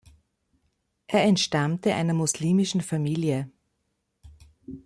Er entstammte einer muslimischen Familie.